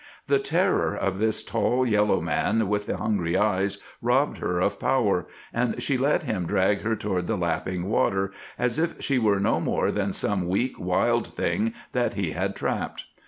The terror of this tall yellow man with the hungry eyes robbed her of power, and she let him drag her toward the lapping water as if she were no more than some weak, wild thing that he had trapped.